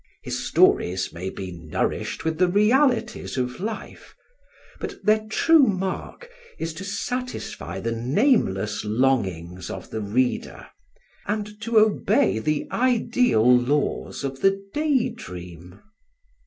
His stories may be nourished with the realities of life, but their true mark is to satisfy the nameless longings of the reader, and to obey the ideal laws of the day dream.